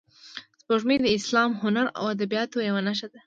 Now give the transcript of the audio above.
سپوږمۍ د اسلام، هنر او ادبیاتو یوه نښه ده